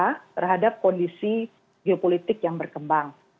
kita terhadap kondisi geopolitik yang berkembang